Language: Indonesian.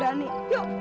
yuk datang mung